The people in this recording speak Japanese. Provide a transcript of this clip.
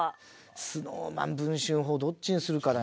「ＳｎｏｗＭａｎ」「文春砲」どっちにするかだな。